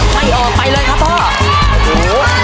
ไม่ออกไปเลยครับพ่อ